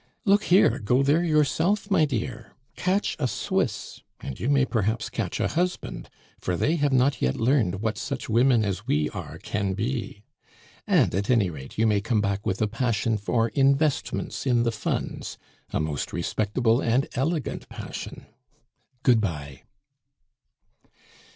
Look here; go there yourself, my dear! Catch a Swiss, and you may perhaps catch a husband, for they have not yet learned what such women as we are can be. And, at any rate, you may come back with a passion for investments in the funds a most respectable and elegant passion! Good bye."